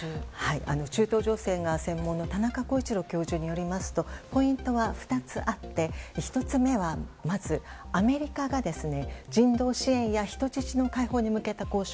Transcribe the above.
中東情勢がご専門の田中浩一郎教授によりますとポイントは２つあって１つ目は、まずアメリカが人道支援や人質解放に向けた交渉